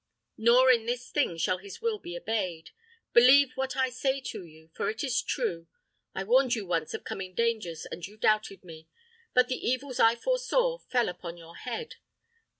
Nor in this thing shall his will be obeyed. Believe what I say to you, for it is true; I warned you once of coming dangers, and you doubted me; but the evils I foresaw fell upon your head.